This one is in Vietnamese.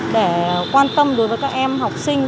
để quan tâm đối với các em học sinh